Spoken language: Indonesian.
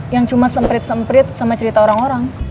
yang cuma semprit semprit sama cerita orang orang